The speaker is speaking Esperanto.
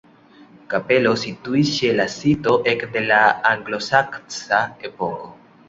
Kapelo situis ĉe la sito ekde la anglosaksa epoko.